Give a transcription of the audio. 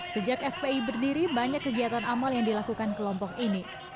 sejak fpi berdiri banyak kegiatan amal yang dilakukan kelompok ini